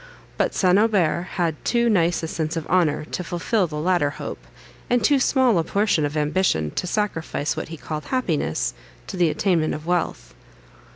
But St. Aubert had too nice a sense of honour to fulfil the latter hope, and too small a portion of ambition to sacrifice what he called happiness, to the attainment of wealth.